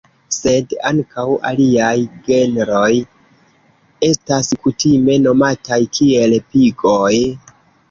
Sed ankaŭ aliaj genroj estas kutime nomataj kiel "pigoj".